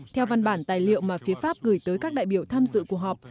theo văn bản tài liệu mà phía pháp gửi tới các đại biểu tham dự cuộc họp